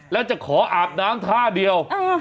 แล้วจะขออาบน้ำท่าเดียว